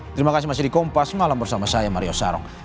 terima kasih masih di kompas malam bersama saya mario sarong